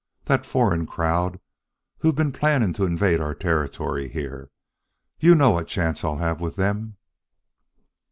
That foreign crowd, who've been planning to invade our territory here. You know what chance I'll have with them...."